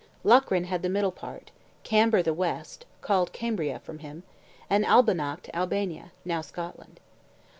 Locrine had the middle part, Camber the west, called Cambria from him, and Albanact Albania, now Scotland.